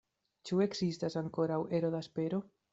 Ĉu ekzistas ankoraŭ ero da espero?